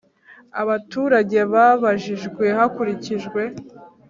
Abaturage babajijwe hakurikijwe